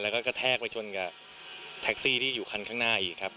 แล้วก็แทกไปชนกับลอมโดยยูธืนอีกครับ